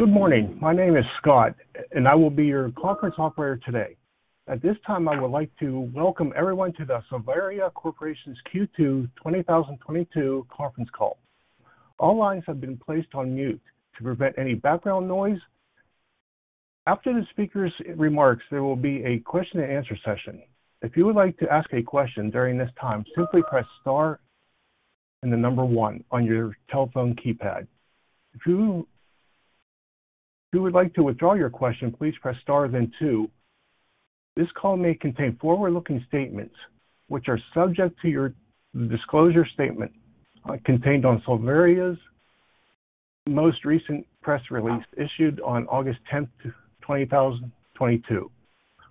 Good morning. My name is Scott, and I will be your conference operator today. At this time, I would like to welcome everyone to the Savaria Corp.'s Q2 2022 conference call. All lines have been placed on mute to prevent any background noise. After the speakers' remarks, there will be a question and answer session. If you would like to ask a question during this time, simply press star then the number one on your telephone keypad. If you would like to withdraw your question, please press star then two. This call may contain forward-looking statements which are subject to your disclosure statement, contained on Savaria's most recent press release issued on August 10th, 2022.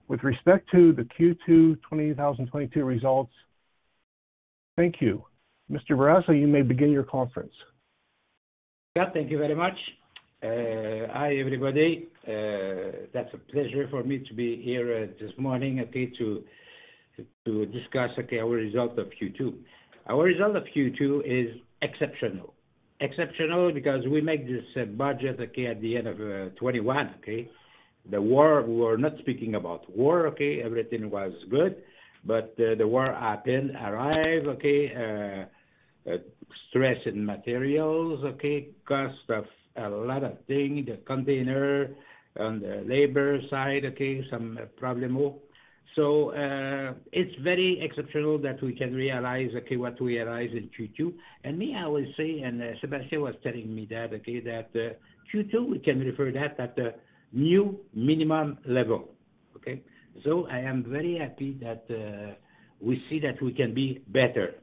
With respect to the Q2 2022 results. Thank you. Mr. Bourassa, you may begin your conference. Yeah, thank you very much. Hi, everybody. That's a pleasure for me to be here this morning to discuss our result of Q2. Our result of Q2 is exceptional. Exceptional because we make this budget at the end of 2021. The war, we were not speaking about war. Everything was good. The war happened, arrive, stress in materials, cost of a lot of thing, the container and the labor side, some problemo. It's very exceptional that we can realize what we realize in Q2. I will say, Sébastien was telling me that Q2, we can refer that at a new minimum level. I am very happy that we see that we can be better.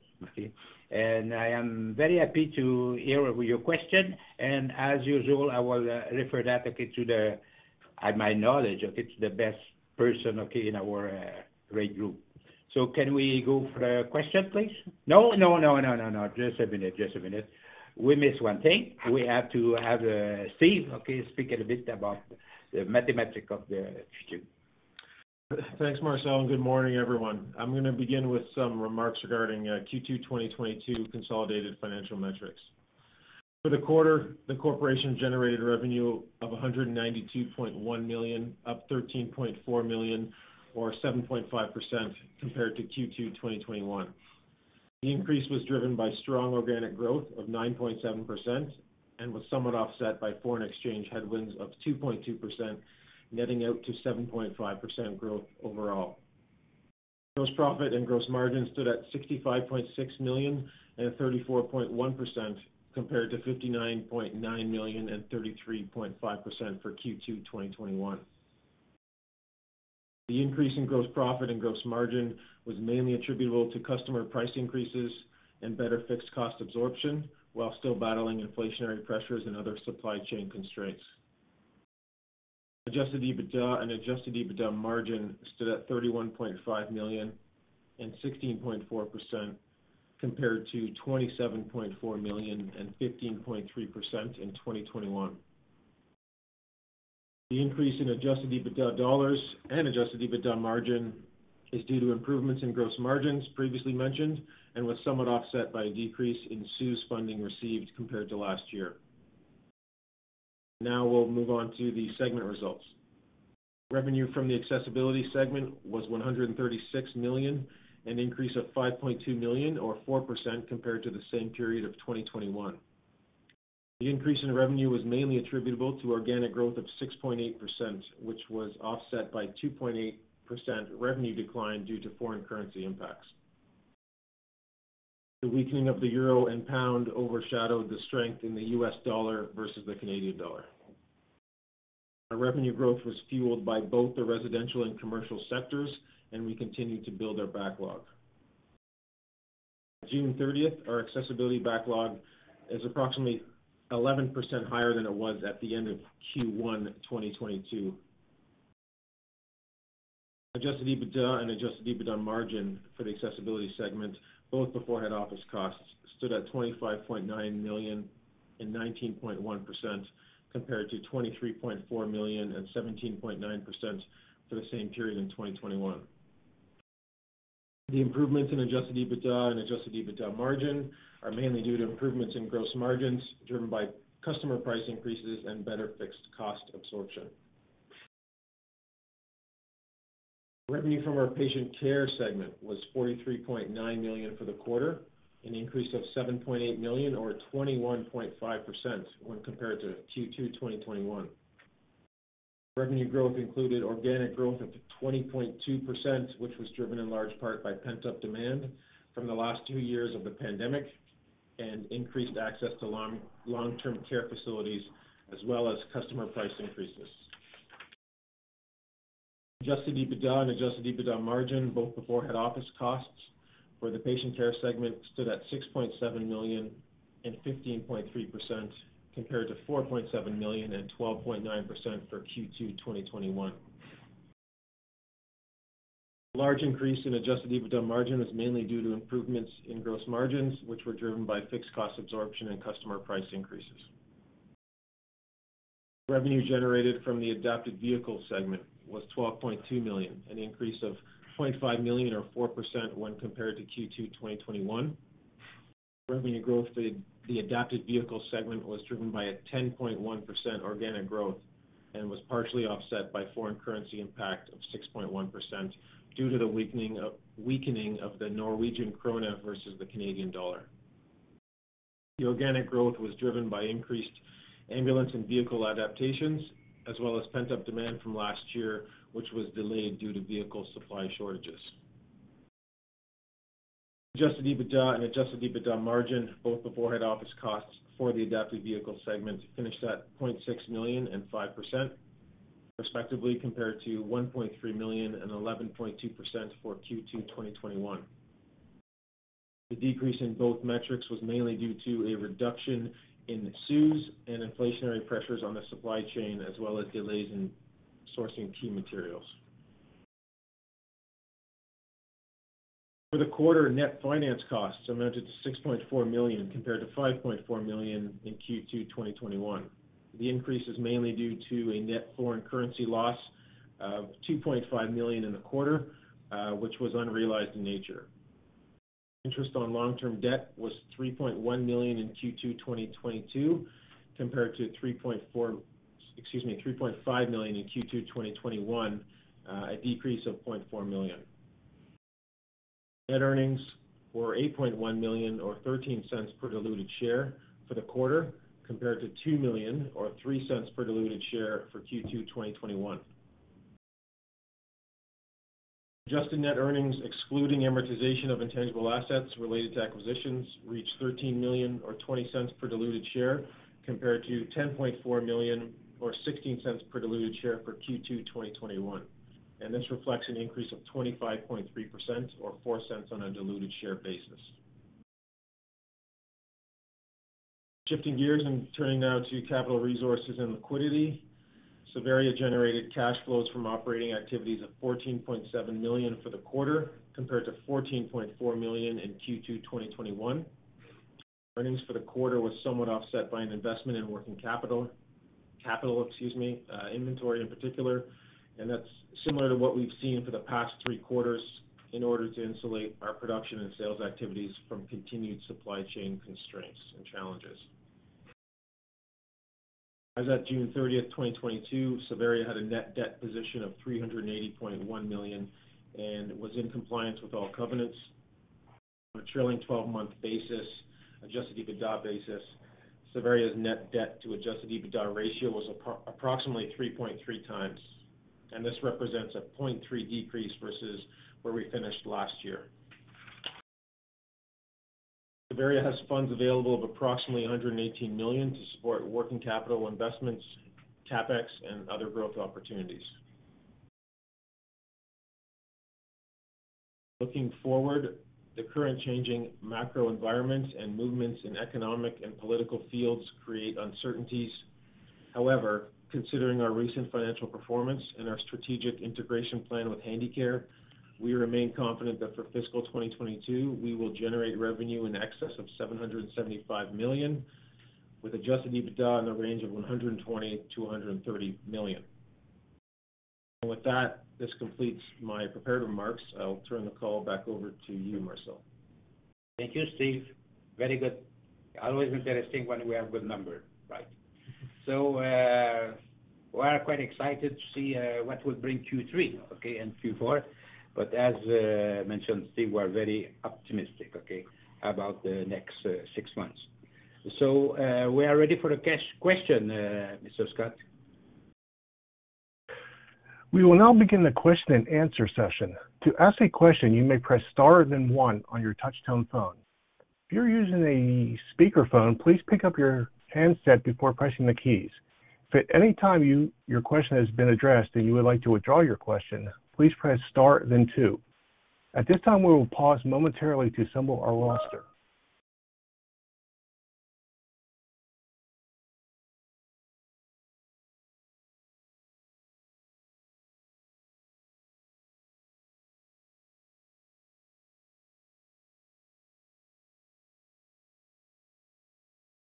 I am very happy to hear your question. As usual, I will refer that to the best person in our great group, to my knowledge of it. Can we go for a question, please? No. Just a minute. We missed one thing. We have to have Steve speak a bit about the mathematics of the Q2. Thanks, Marcel, and good morning, everyone. I'm gonna begin with some remarks regarding Q2 2022 consolidated financial metrics. For the quarter, the corporation generated revenue of 192.1 million, up 13.4 million or 7.5% compared to Q2 2021. The increase was driven by strong organic growth of 9.7% and was somewhat offset by foreign exchange headwinds of 2.2%, netting out to 7.5% growth overall. Gross profit and gross margin stood at 65.6 million and 34.1% compared to 59.9 million and 33.5% for Q2 2021. The increase in gross profit and gross margin was mainly attributable to customer price increases and better fixed cost absorption while still battling inflationary pressures and other supply chain constraints. Adjusted EBITDA and adjusted EBITDA margin stood at 31.5 million and 16.4% compared to 27.4 million and 15.3% in 2021. The increase in adjusted EBITDA dollars and adjusted EBITDA margin is due to improvements in gross margins previously mentioned and was somewhat offset by a decrease in CEWS funding received compared to last year. Now we'll move on to the segment results. Revenue from the accessibility segment was 136 million, an increase of 5.2 million or 4% compared to the same period of 2021. The increase in revenue was mainly attributable to organic growth of 6.8%, which was offset by 2.8% revenue decline due to foreign currency impacts. The weakening of the euro and pound overshadowed the strength in the US dollar versus the Canadian dollar. Our revenue growth was fueled by both the residential and commercial sectors, and we continued to build our backlog. June 30th, our Accessibility backlog is approximately 11% higher than it was at the end of Q1 2022. adjusted EBITDA and adjusted EBITDA margin for the Accessibility segment, both before head office costs, stood at 25.9 million and 19.1% compared to 23.4 million and 17.9% for the same period in 2021. The improvements in adjusted EBITDA and adjusted EBITDA margin are mainly due to improvements in gross margins driven by customer price increases and better fixed cost absorption. Revenue from our Patient Care segment was 43.9 million for the quarter, an increase of 7.8 million or 21.5% when compared to Q2 2021. Revenue growth included organic growth of 20.2%, which was driven in large part by pent-up demand from the last two years of the pandemic and increased access to long-term care facilities as well as customer price increases. Adjusted EBITDA and adjusted EBITDA margin, both before head office costs for the Patient Care segment stood at 6.7 million and 15.3% compared to 4.7 million and 12.9% for Q2 2021. Large increase in adjusted EBITDA margin is mainly due to improvements in gross margins, which were driven by fixed cost absorption and customer price increases. Revenue generated from the Adapted Vehicle segment was 12.2 million, an increase of 0.5 million or 4% when compared to Q2 2021. Revenue growth for the Adapted Vehicle segment was driven by a 10.1% organic growth and was partially offset by foreign currency impact of 6.1% due to the weakening of the Norwegian krone versus the Canadian dollar. The organic growth was driven by increased ambulance and vehicle adaptations as well as pent-up demand from last year, which was delayed due to vehicle supply shortages. Adjusted EBITDA and adjusted EBITDA margin, both before head office costs for the Adapted Vehicle segment finished at 0.6 million and 5% respectively, compared to 1.3 million and 11.2% for Q2 2021. The decrease in both metrics was mainly due to a reduction in the subsidies and inflationary pressures on the supply chain as well as delays in sourcing key materials. For the quarter, net finance costs amounted to 6.4 million compared to 5.4 million in Q2 2021. The increase is mainly due to a net foreign currency loss of 2.5 million in the quarter, which was unrealized in nature. Interest on long-term debt was 3.1 million in Q2 2022 compared to 3.4 million, excuse me, 3.5 million in Q2 2021, a decrease of 0.4 million. Net earnings were 8.1 million or 0.13 per diluted share for the quarter compared to 2 million or 0.03 per diluted share for Q2 2021. Adjusted net earnings excluding amortization of intangible assets related to acquisitions reached 13 million or 0.20 per diluted share compared to 10.4 million or 0.16 per diluted share for Q2 2021. This reflects an increase of 25.3% or 0.04 on a diluted share basis. Shifting gears and turning now to capital resources and liquidity. Savaria generated cash flows from operating activities of 14.7 million for the quarter compared to 14.4 million in Q2 2021. Earnings for the quarter was somewhat offset by an investment in working capital, excuse me, inventory in particular, and that's similar to what we've seen for the past three quarters in order to insulate our production and sales activities from continued supply chain constraints and challenges. As at June 30th, 2022, Savaria had a net debt position of 380.1 million and was in compliance with all covenants. On a trailing 12-month basis, adjusted EBITDA basis, Savaria's net debt to adjusted EBITDA ratio was approximately 3.3x, and this represents a 0.3% decrease versus where we finished last year. Savaria has funds available of approximately 118 million to support working capital investments, CapEx and other growth opportunities. Looking forward, the current changing macro environments and movements in economic and political fields create uncertainties. However, considering our recent financial performance and our strategic integration plan with Handicare, we remain confident that for fiscal 2022, we will generate revenue in excess of 775 million with adjusted EBITDA in the range of 120 million-130 million. With that, this completes my prepared remarks. I'll turn the call back over to you, Marcel. Thank you, Steve. Very good. Always interesting when we have good numbers, right? We are quite excited to see what will bring Q3, okay, and Q4. As mentioned, Steve, we're very optimistic, okay, about the next six months. We are ready for the question, Mr. Scott. We will now begin the question and answer session. To ask a question, you may press star then one on your touch-tone phone. If you're using a speakerphone, please pick up your handset before pressing the keys. If at any time your question has been addressed and you would like to withdraw your question, please press star then two. At this time, we will pause momentarily to assemble our roster.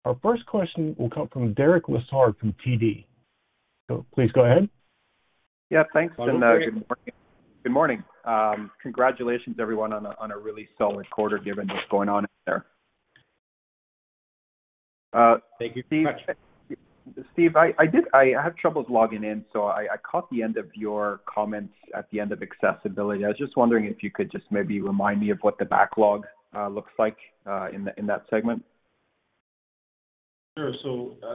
Our first question will come from Derek Lessard from TD. Please go ahead. Yeah, thanks. Good morning. Good morning. Congratulations everyone on a really solid quarter given what's going on out there. Thank you very much. Steve, I had troubles logging in, so I caught the end of your comments at the end of Accessibility. I was just wondering if you could just maybe remind me of what the backlog looks like in that segment. Sure.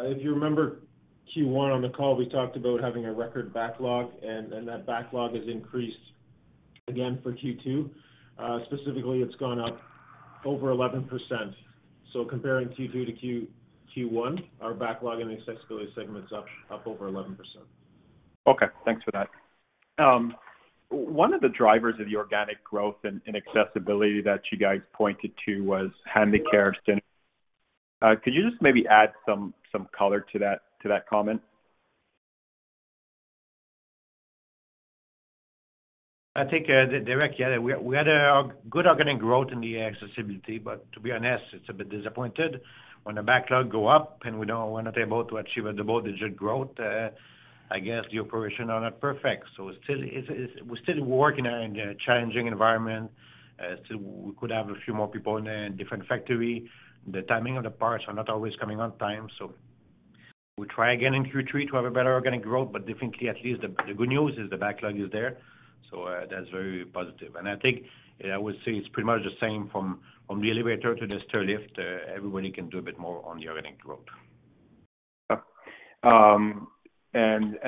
If you remember Q1 on the call, we talked about having a record backlog and that backlog has increased again for Q2. Specifically, it's gone up over 11%. Comparing Q2 to Q1, our backlog in the Accessibility segment is up over 11%. Okay, thanks for that. One of the drivers of the organic growth in accessibility that you guys pointed to was Handicare. Could you just maybe add some color to that comment? I think, Derek, we had a good organic growth in the accessibility, but to be honest, it's a bit disappointing when the backlog goes up and we're not able to achieve a double-digit growth. I guess the operations are not perfect. We're still working in a challenging environment. We could have a few more people in a different factory. The timing of the parts is not always coming on time. We try again in Q3 to have a better organic growth, but definitely at least the good news is the backlog is there. That's very positive. I think I would say it's pretty much the same from the elevator to the stairlift. Everybody can do a bit more on the organic growth.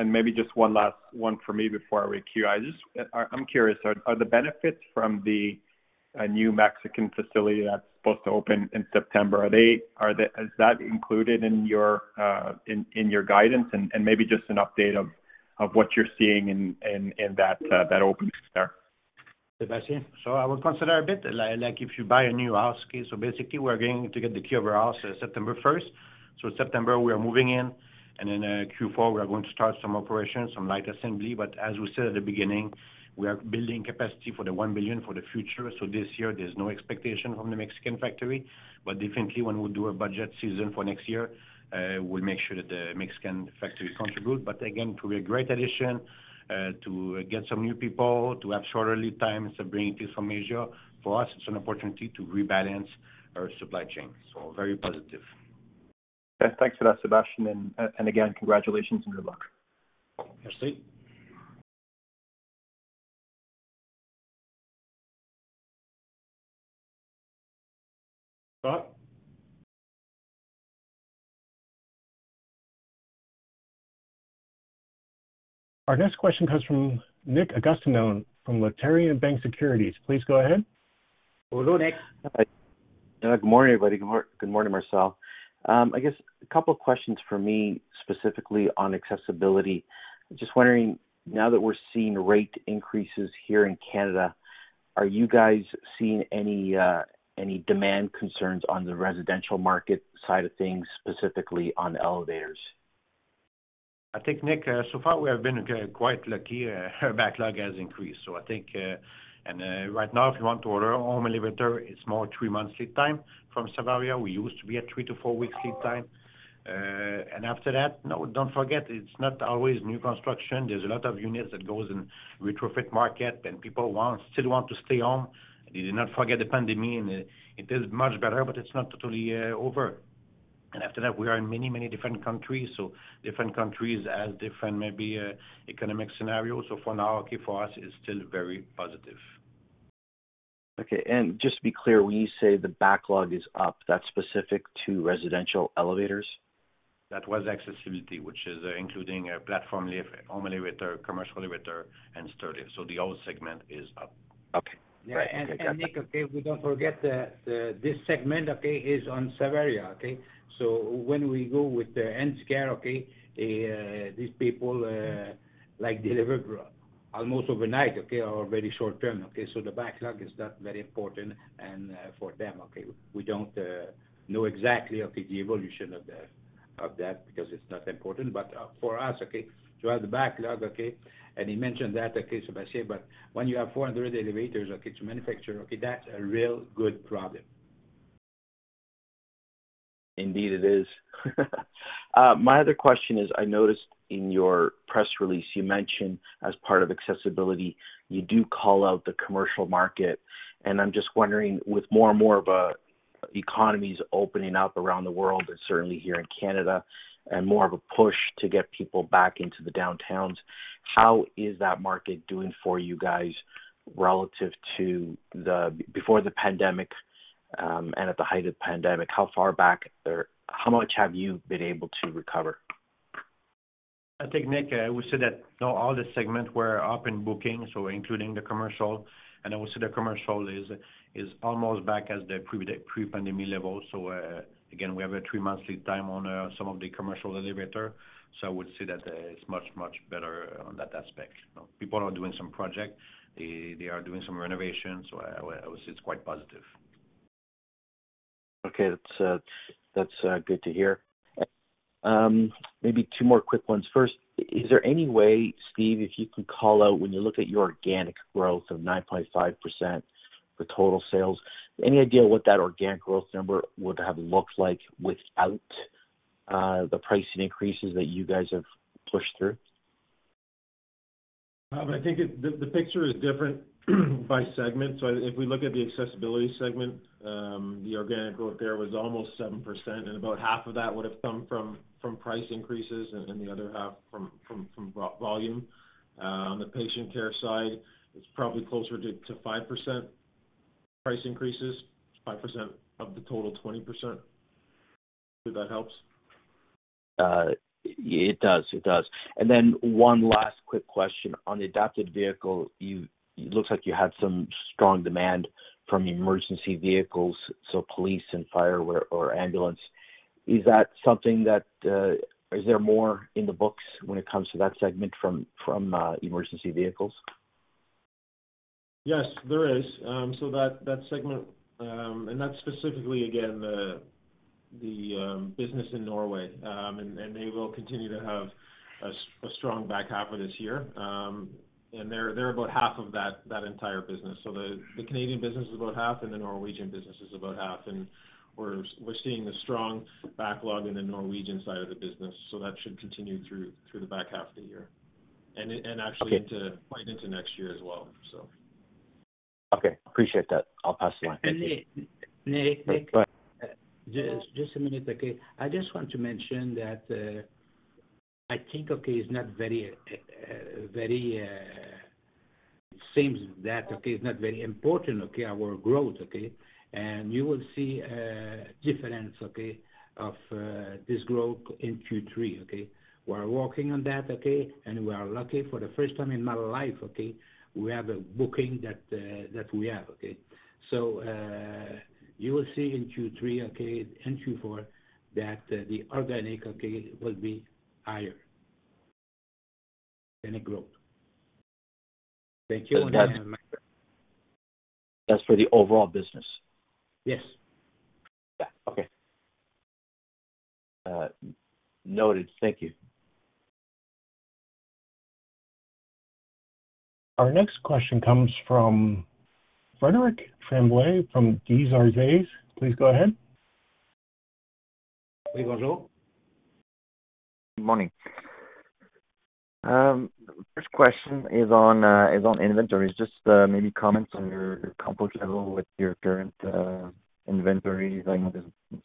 Maybe just one last one for me before we queue. I'm curious, are the benefits from the new Mexican facility that's supposed to open in September included in your guidance? Maybe just an update of what you're seeing in that opening there. I would consider a bit like if you buy a new house, okay. Basically, we're going to get the key of our house September first. September, we are moving in, and in Q4, we are going to start some operations, some light assembly. As we said at the beginning, we are building capacity for 1 billion for the future. This year, there's no expectation from the Mexican factory, but definitely when we do a budget season for next year, we'll make sure that the Mexican factory contribute. Again, it will be a great addition to get some new people, to have shorter lead times of bringing things from Asia. For us, it's an opportunity to rebalance our supply chain. Very positive. Yeah. Thanks for that, Sébastien. Again, congratulations and good luck. Merci. Scott. Our next question comes from Nick Agostino from Laurentian Bank Securities. Please go ahead. Hello, Nick. Hi. Good morning, everybody. Good morning, Marcel. I guess a couple of questions for me, specifically on Accessibility. Just wondering, now that we're seeing rate increases here in Canada, are you guys seeing any demand concerns on the residential market side of things, specifically on elevators? I think, Nick, so far we have been quite lucky. Our backlog has increased. I think right now, if you want to order home elevator, it's more three months lead time from Savaria. We used to be at 3-4 weeks lead time. After that, no, don't forget, it's not always new construction. There's a lot of units that goes in retrofit market, and people still want to stay home. Do not forget the pandemic. It is much better, but it's not totally over. After that, we are in many, many different countries. Different countries has different, maybe, economic scenario. For now, okay, for us, it's still very positive. Okay. Just to be clear, when you say the backlog is up, that's specific to residential elevators? That was Accessibility, which is including a platform lift, home elevator, commercial elevator, and stairlift. The old segment is up. Okay. Great. Yeah. And Nick, we don't forget this segment is on Savaria. When we go with the end user, these people like deliver almost overnight or very short term. The backlog is not very important, and for them. We don't know exactly the evolution of that because it's not important. For us to have the backlog, and he mentioned that, Sébastien, but when you have 400 elevators to manufacture, that's a real good problem. Indeed, it is. My other question is, I noticed in your press release, you mentioned as part of accessibility, you do call out the commercial market. I'm just wondering, with more and more of a economies opening up around the world and certainly here in Canada and more of a push to get people back into the downtowns, how is that market doing for you guys relative to the before the pandemic, and at the height of the pandemic? How far back or how much have you been able to recover? I think, Nick, I would say that all the segments were up in booking, so including the commercial. I would say the commercial is almost back as the pre-pandemic level. Again, we have a 3-month lead time on some of the commercial elevator. I would say that it's much better on that aspect. People are doing some project. They are doing some renovations. I would say it's quite positive. Okay. That's good to hear. Maybe two more quick ones. First, is there any way, Steve, if you can call out when you look at your organic growth of 9.5% for total sales, any idea what that organic growth number would have looked like without the pricing increases that you guys have pushed through? I think the picture is different by segment. If we look at the Accessibility segment, the organic growth there was almost 7%, and about half of that would have come from price increases and the other half from volume. On the Patient Care side, it's probably closer to 5% price increases, 5% of the total 20%. Hope that helps. It does. Then one last quick question. On the Adapted Vehicle, it looks like you had some strong demand from emergency vehicles, so police and fire or ambulance. Is that something that Is there more in the books when it comes to that segment from emergency vehicles? Yes, there is. That segment, and that's specifically again the business in Norway. They will continue to have a strong back half of this year. They're about half of that entire business. The Canadian business is about half, and the Norwegian business is about half. We're seeing a strong backlog in the Norwegian side of the business, so that should continue through the back half of the year and actually into Okay. Quite into next year as well, so. Okay, appreciate that. I'll pass it on. Nick. Go ahead. Just a minute, okay. I just want to mention that. It seems that, okay, it's not very important, okay, our growth, okay. You will see a difference, okay, of this growth in Q3, okay. We're working on that, okay. We are lucky for the first time in my life, okay, we have a booking that we have, okay. You will see in Q3, okay, and Q4 that the organic, okay, will be higher in growth. Thank you. That's for the overall business? Yes. Yeah. Okay. Noted. Thank you. Our next question comes from Frederic Tremblay from Desjardins Securities. Please go ahead. Bonjour. Good morning. First question is on inventories. Just maybe comments on your comfort level with your current inventories. I know there's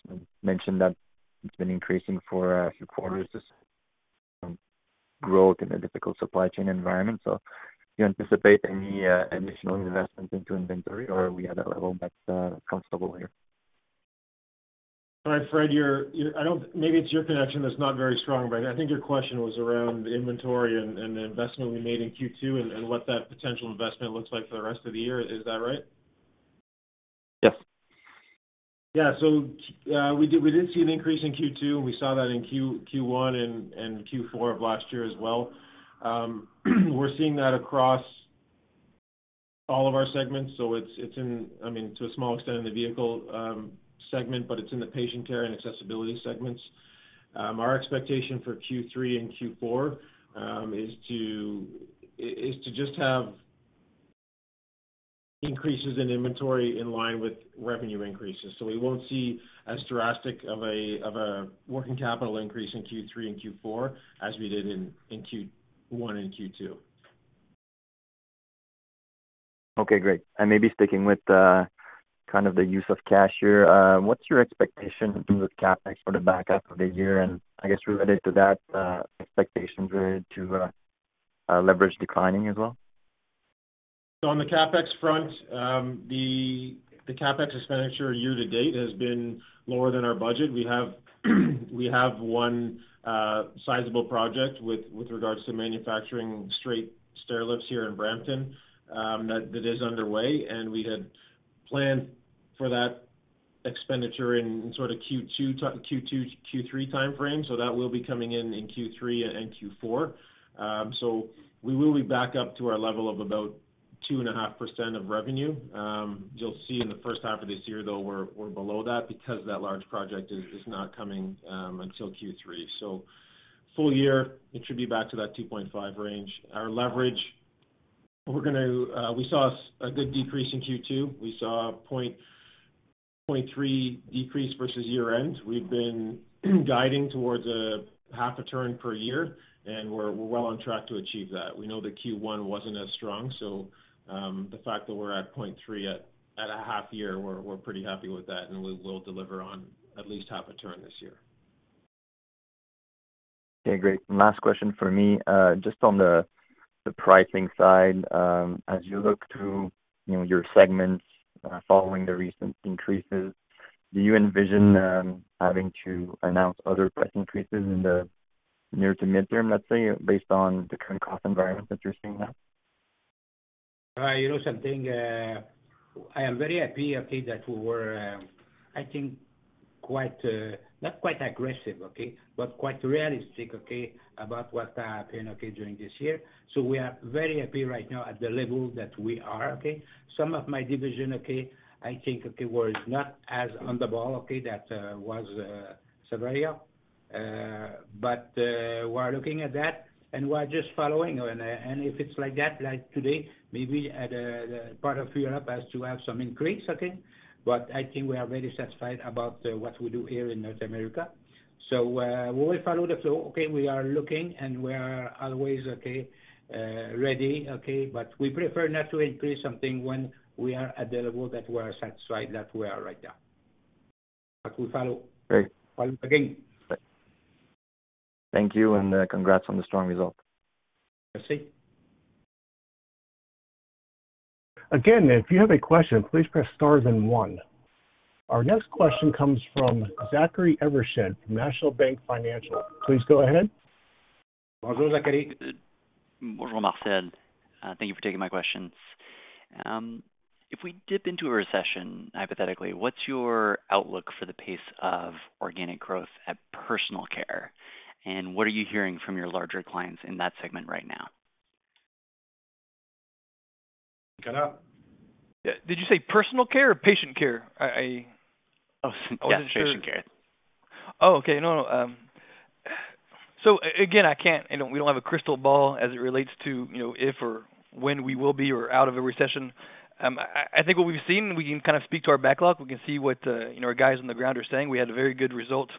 been mention that it's been increasing for a few quarters as growth in a difficult supply chain environment. Do you anticipate any additional investments into inventory, or are we at a level that's comfortable here? Sorry, Fred. Maybe it's your connection that's not very strong. I think your question was around inventory and the investment we made in Q2 and what that potential investment looks like for the rest of the year. Is that right? Yes. Yeah. We did see an increase in Q2, and we saw that in Q1 and Q4 of last year as well. We're seeing that across all of our segments, so it's in, I mean, to a small extent in the vehicle segment, but it's in the patient care and accessibility segments. Our expectation for Q3 and Q4 is to just have increases in inventory in line with revenue increases. We won't see as drastic of a working capital increase in Q3 and Q4 as we did in Q1 and Q2. Okay, great. Maybe sticking with kind of the use of cash here. What's your expectation with CapEx for the back half of the year? I guess related to that, leverage declining as well. On the CapEx front, the CapEx expenditure year to date has been lower than our budget. We have one sizable project with regards to manufacturing straight stairlifts here in Brampton that is underway, and we had planned for that expenditure in sort of Q2-Q3 timeframe. That will be coming in in Q3 and Q4. We will be back up to our level of about 2.5% of revenue. You'll see in the first half of this year, though, we're below that because that large project is not coming until Q3. Full year, it should be back to that 2.5 range. Our leverage, we saw a good decrease in Q2. We saw a 0.03 decrease versus year end. We've been guiding towards a half a turn per year, and we're well on track to achieve that. We know that Q1 wasn't as strong, so the fact that we're at 0.3% at a half year, we're pretty happy with that, and we will deliver on at least half a turn this year. Okay, great. Last question from me. Just on the pricing side, as you look through, you know, your segments, following the recent increases, do you envision having to announce other price increases in the near to midterm, let's say, based on the current cost environment that you're seeing now? You know something, I am very happy, okay, that we were, I think quite, not quite aggressive, okay, but quite realistic, okay, about what happened, okay, during this year. We are very happy right now at the level that we are, okay. Some of my division, okay, I think, okay, was not as on the ball, okay, that was Savaria. We're looking at that, and we're just following. And if it's like that, like today, maybe that part of Europe has to have some increase, okay, I think we are very satisfied about what we do here in North America. We will follow the flow. Okay. We are looking, and we are always okay, ready, okay, but we prefer not to increase something when we are at the level that we are satisfied that we are right now. We follow. Great. Follow again. Thank you, and congrats on the strong result. Merci. Again, if you have a question, please press star then one. Our next question comes from Zachary Evershed, National Bank Financial. Please go ahead. Bonjour, Zachary. Bonjour, Marcel. Thank you for taking my questions. If we dip into a recession, hypothetically, what's your outlook for the pace of organic growth at Patient Care, and what are you hearing from your larger clients in that segment right now? [Steve]. Yeah. Did you say personal care or patient care? Patient Care. Oh, okay. No, no. Again, I can't. You know, we don't have a crystal ball as it relates to, you know, if or when we will be or out of a recession. I think what we've seen, we can kind of speak to our backlog. We can see what, you know, our guys on the ground are saying. We had a very good result.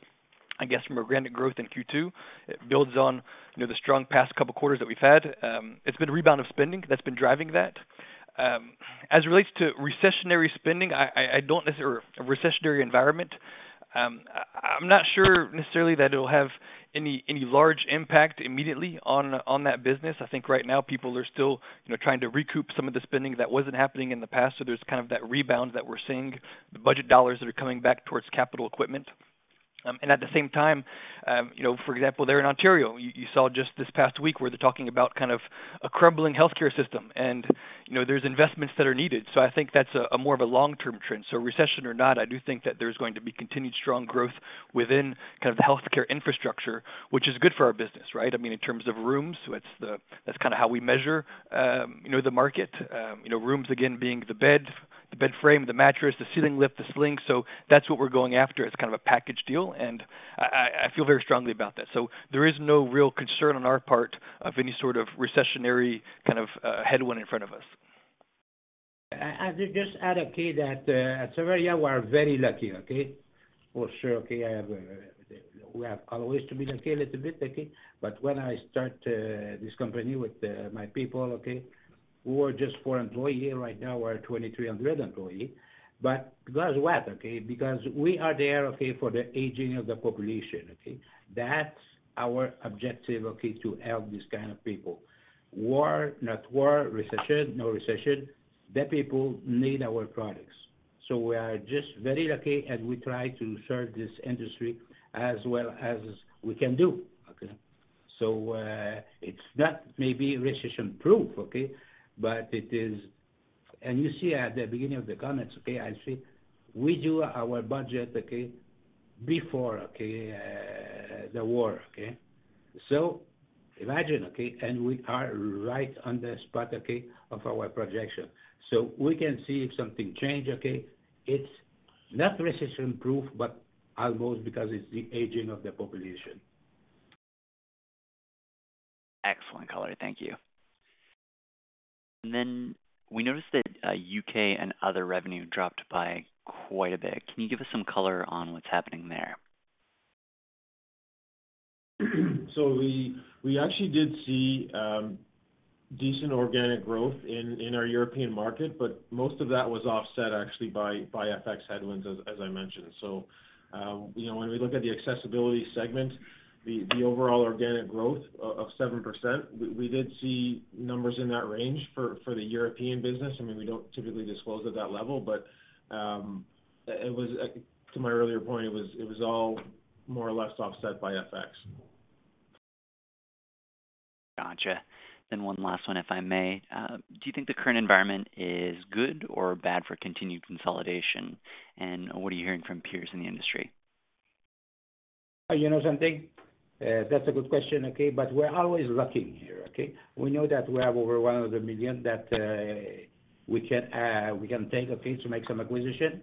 I guess from organic growth in Q2, it builds on, you know, the strong past couple quarters that we've had. It's been a rebound of spending that's been driving that. As it relates to recessionary environment, I'm not sure necessarily that it'll have any large impact immediately on that business. I think right now people are still, you know, trying to recoup some of the spending that wasn't happening in the past. There's kind of that rebound that we're seeing, the budget dollars that are coming back towards capital equipment. At the same time, you know, for example, there in Ontario, you saw just this past week where they're talking about kind of a crumbling healthcare system and, you know, there's investments that are needed. I think that's a more of a long-term trend. Recession or not, I do think that there's going to be continued strong growth within kind of the healthcare infrastructure, which is good for our business, right? I mean, in terms of rooms, that's kinda how we measure you know the market. You know, rooms again being the bed, the bed frame, the mattress, the ceiling lift, the sling. That's what we're going after. It's kind of a package deal, and I feel very strongly about that. There is no real concern on our part of any sort of recessionary kind of headwind in front of us. I just add, okay, that at Savaria, we are very lucky, okay? For sure, okay, we have always to be lucky, a little bit lucky. When I start this company with my people, okay, we were just four employee, right now we're 2,300 employee. It goes well, okay, because we are there, okay, for the aging of the population, okay? That's our objective, okay? To help these kind of people. War, not war, recession, no recession, the people need our products. We are just very lucky, and we try to serve this industry as well as we can do, okay? It's not maybe recession-proof, okay? But it is. You see at the beginning of the comments, okay, I say, we do our budget, okay, before, okay, the war, okay? Imagine, okay, and we are right on the spot, okay, of our projection. We can see if something change, okay. It's not recession-proof, but almost because it's the aging of the population. Excellent color, thank you. We noticed that U.K. and other revenue dropped by quite a bit. Can you give us some color on what's happening there? We actually did see decent organic growth in our European market, but most of that was offset actually by FX headwinds as I mentioned. You know, when we look at the Accessibility segment, the overall organic growth of 7%, we did see numbers in that range for the European business. I mean, we don't typically disclose at that level, but to my earlier point, it was all more or less offset by FX. Gotcha. One last one, if I may. Do you think the current environment is good or bad for continued consolidation? What are you hearing from peers in the industry? You know something, that's a good question, okay? We're always lucky here, okay? We know that we have over 100 million that we can take, okay, to make some acquisition.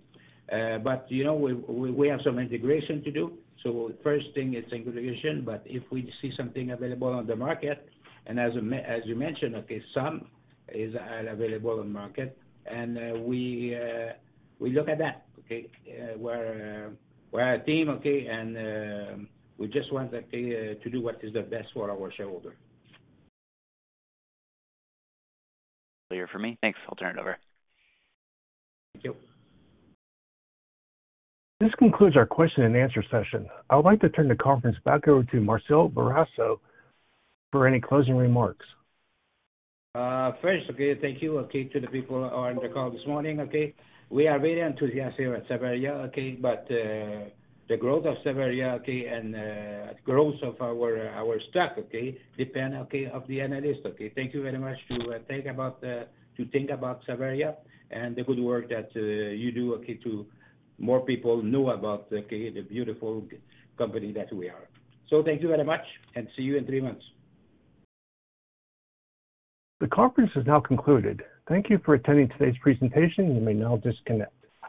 You know, we have some integration to do. First thing is integration, but if we see something available on the market, and as you mentioned, okay, some is available on market. We look at that, okay? We're a team, okay? We just want to do what is the best for our shareholder. Clear for me. Thanks. I'll turn it over. Thank you. This concludes our question and answer session. I would like to turn the conference back over to Marcel Bourassa for any closing remarks. First, thank you to the people on the call this morning. We are very enthusiastic at Savaria, but the growth of Savaria and growth of our stock depend of the analyst. Thank you very much to think about Savaria and the good work that you do to more people know about the beautiful company that we are. Thank you very much, and see you in three months. The conference is now concluded. Thank you for attending today's presentation. You may now disconnect.